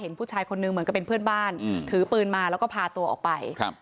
ผู้ชายคนนึงเหมือนกับเป็นเพื่อนบ้านถือปืนมาแล้วก็พาตัวออกไปครับ